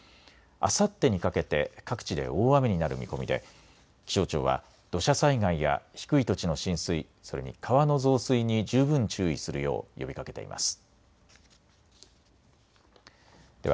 あさってにかけて各地で大雨になる見込みで気象庁は土砂災害や低い土地の浸水、それに川の増水に十分注意するよう呼びかけています。